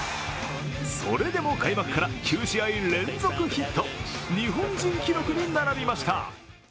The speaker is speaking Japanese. それでも開幕から９試合連続ヒット日本人記録に並びました。